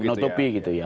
menutupi gitu ya